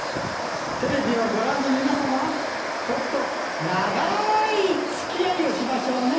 テレビをご覧の皆様僕とナガいツキ合いをしましょうね。